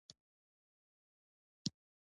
نور ټول هېواد د سپین پوستو په انحصار کې و.